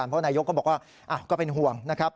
เพราะนายกก็บอกว่าก็เป็นห่วงนะครับ